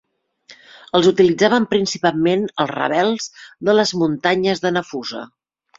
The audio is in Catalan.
Els utilitzaven principalment els rebels de les muntanyes de Nafusa.